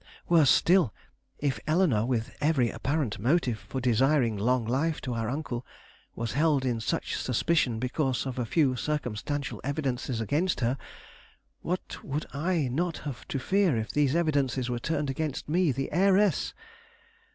Worse still, if Eleanore, with every apparent motive for desiring long life to our uncle, was held in such suspicion because of a few circumstantial evidences against her, what would I not have to fear if these evidences were turned against me, the heiress!